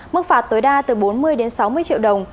mức phạt tối đa từ bốn mươi đến sáu mươi triệu đồng